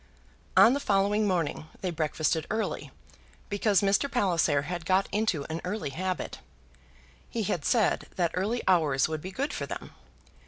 On the following morning they breakfasted early, because Mr. Palliser had got into an early habit. He had said that early hours would be good for them.